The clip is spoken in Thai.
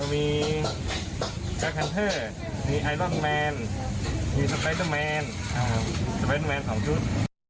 มีสไปเดอร์แมน๒ชุด